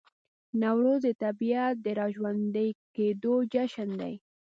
نوروز د طبیعت د راژوندي کیدو جشن دی.